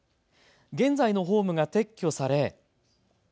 現在のホームが撤去され。